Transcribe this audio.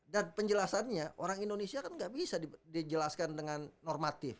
dan penjelasannya orang indonesia kan gak bisa dijelaskan dengan normal